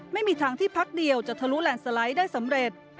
ไม่มีทางที่พักเดียวจะทะลุแลนดสไลด์ได้สำเร็จ